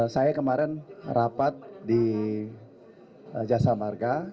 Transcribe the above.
saya kemarin rapat di jasa marga